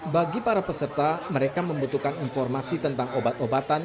bagi para peserta mereka membutuhkan informasi tentang obat obatan